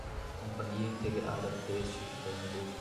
Companhia Integrada Têxtil de Pernambuco